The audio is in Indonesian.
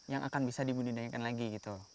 yang akan bisa dibudidayakan lagi gitu